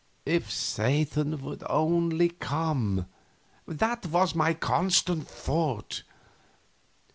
If Satan would only come! That was my constant thought.